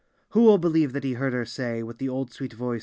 Who will believe that he heard her say, With the old sweet voice.